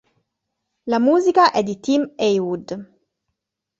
La musica è di Tim Haywood.